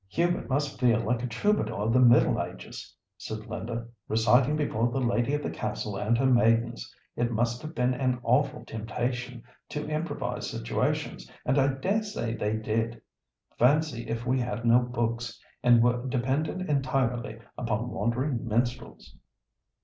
"Hubert must feel like a troubadour of the Middle Ages," said Linda, "reciting before the lady of the castle and her maidens. It must have been an awful temptation to improvise situations, and I dare say they did. Fancy if we had no books, and were dependent entirely upon wandering minstrels!"